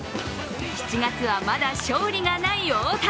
７月はまだ勝利がない大谷。